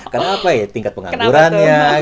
karena apa ya tingkat pengangguran